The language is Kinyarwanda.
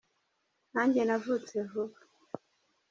nanjye navutse vuba.